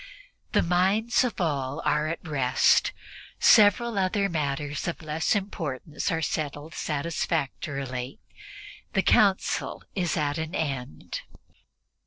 The minds of all are at rest. Several other matters of less importance are settled satisfactorily. The Council is at an end.